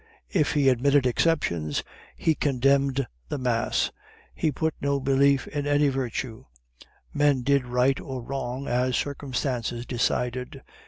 If he admitted exceptions, he condemned the mass; he put no belief in any virtue men did right or wrong, as circumstances decided.